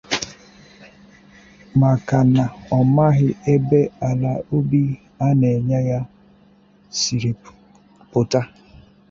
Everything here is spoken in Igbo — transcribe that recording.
maka na ọ maghị ebe ala obì a na-enye ya siri pụta